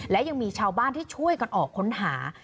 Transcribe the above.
และยังมีชาวบ้านที่ช่วยกันออกค้นหา